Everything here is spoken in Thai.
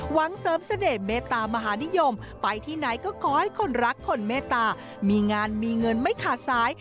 หวังเสริมเสน่ห์เมตตามหานิยมไปที่ไหนก็ขอให้คนรักคนเมตตามีงานมีเงินไม่ขาดสาย